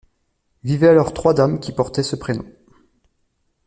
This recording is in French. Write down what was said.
Vivaient alors trois dames qui portaient ce prénom.